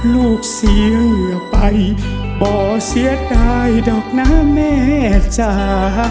ลูกเสียไปบ่อเสียดายดอกนะแม่จ้า